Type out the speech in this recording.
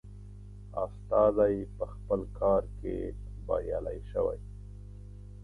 استازی په خپل کار کې بریالی شوی.